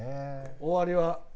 終わりは。